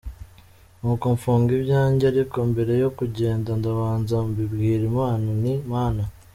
Nuko mfunga ibyanjye, ariko mbere yo kugenda ndabanza mbibwira Imana nti : “Mana